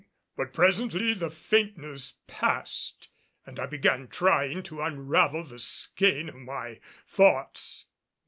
But presently the faintness passed and I began trying to unravel the skein of my thoughts.